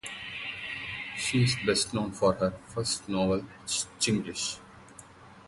She is best known for her first novel "Chinglish".